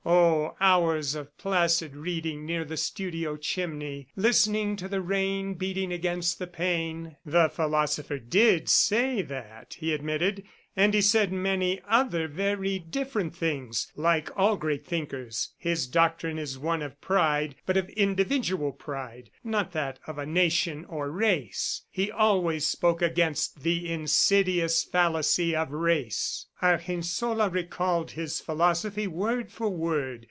Oh, hours of placid reading near the studio chimney, listening to the rain beating against the pane! ... "The philosopher did say that," he admitted, "and he said many other very different things, like all great thinkers. His doctrine is one of pride, but of individual pride, not that of a nation or race. He always spoke against 'the insidious fallacy of race.'" Argensola recalled his philosophy word for word.